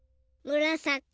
むらさき。